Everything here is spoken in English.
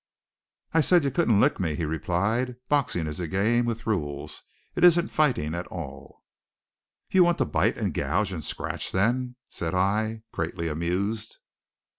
"I said you couldn't lick me," he replied. "Boxing is a game with rules; it isn't fighting at all." "You want to bite and gouge and scratch, then?" said I, greatly amused.